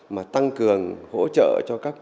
mà tăng cường hỗ trợ cho các hộ nghèo trực tiếp